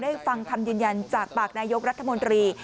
ฟังคำยืนยันจากปากนายกรัฐมนตรี